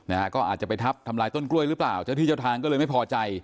นะฮะก็อาจจะไปทับทำลายต้นกล้วยหรือเปล่าเจ้าที่เจ้าทางก็เลยไม่พอใจ